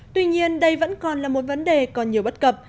tuy nhiên đây vẫn còn là một vấn đề còn nhiều bất cập